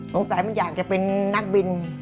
สงสัยมันอยากจะเป็นนักบิน